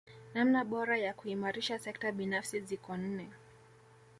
Namna bora ya kuimarisha sekta binafsi ziko nne